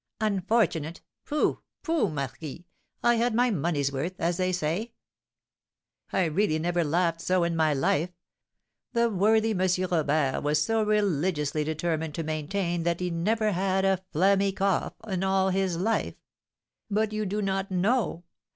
"Unfortunate! Pooh pooh, marquis! I had my money's worth, as they say. I really never laughed so in my life. The worthy M. Robert was so religiously determined to maintain that he never had a phlegmy cough, in all his life, but you do not know!